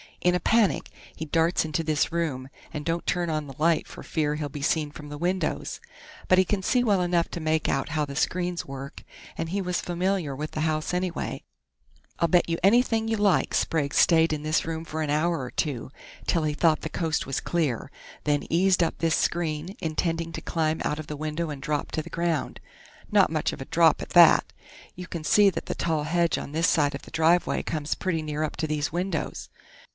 In a panic he darts into this room, and don't turn on the light for fear he'll be seen from the windows, but he can see well enough to make out how the screens work, and he was familiar with the house anyway. I'll bet you anything you like Sprague stayed in this room for an hour or two, till he thought the coast was clear, then eased up this screen, intending to climb out of the window and drop to the ground.... Not much of a drop at that. You can see that the tall hedge on this side of the driveway comes pretty near up to these windows....